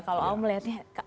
kalau awam melihatnya